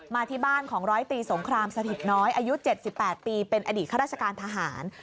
มาที่บ้านของร้อยตีสงครามสถิตน้อยอายุ๗๘ปีเป็นอดีตข้าราชการทหาร